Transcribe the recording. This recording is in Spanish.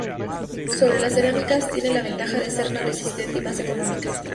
Sobre las cerámicas tienen la ventaja de ser más resistentes, y más económicas.